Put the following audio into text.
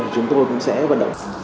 thì chúng tôi cũng sẽ vận động